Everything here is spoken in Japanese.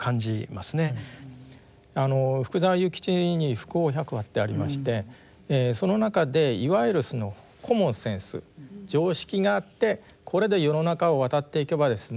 福沢諭吉に「福翁百話」ってありましてその中でいわゆるコモンセンス常識があってこれで世の中を渡っていけばですね